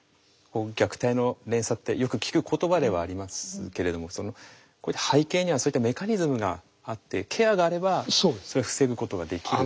「虐待の連鎖」ってよく聞く言葉ではありますけれども背景にはそういったメカニズムがあってケアがあればそれを防ぐことができる。